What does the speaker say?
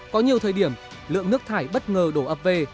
có nhiều thời điểm lượng nước thải bất ngờ đổ ập về